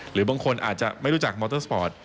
หรือบางคนอาจจะไม่รู้จักมอเตอร์สปอร์ต